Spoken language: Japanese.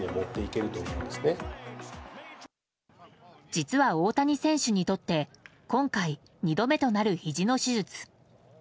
実は大谷選手にとって今回、２度目となるひじの手術。